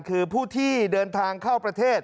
คือผู้ที่เดินทางเข้าประเทศ